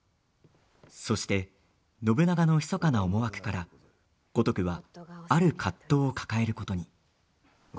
そして、信長のひそかな思惑から五徳はある葛藤を抱えることに。